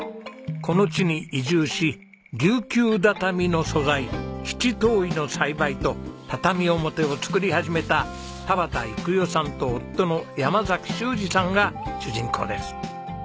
この地に移住し琉球畳の素材七島藺の栽培と畳表を作り始めた田端育代さんと夫の山修二さんが主人公です。